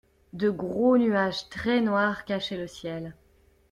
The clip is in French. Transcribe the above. De gros nuages très noirs cachaient le ciel.